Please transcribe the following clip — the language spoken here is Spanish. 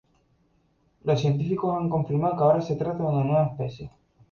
Los científicos han confirmado ahora que se trata de una nueva especie.